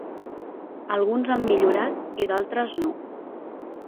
Alguns han millorat i d'altres no.